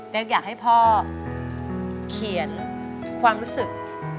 อยากให้พ่อเขียนความรู้สึก